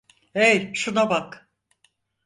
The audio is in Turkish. Hey, şuna bak!